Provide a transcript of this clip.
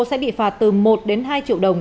sẽ bị phạt từ một đến hai triệu đồng